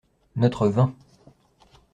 Notre vin.